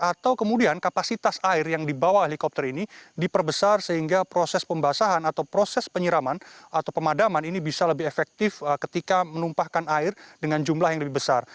atau kemudian kapasitas air yang dibawa helikopter ini diperbesar sehingga proses pembasahan atau proses penyiraman atau pemadaman ini bisa lebih efektif ketika menumpahkan air dengan jumlah yang lebih besar